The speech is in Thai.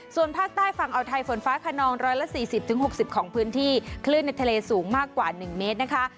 ส่วนภาคใต้ฝั่งเอาไทยฝนฟ้าขนองร้อยละสี่สิบถึงหกสิบของพื้นที่คลื่นในทะเลสูงมากกว่าหนึ่งเมตรนะคะ